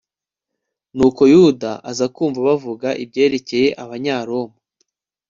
nuko yuda aza kumva bavuga ibyerekeye abanyaroma